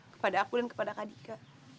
kepada aku dan kepada kak dika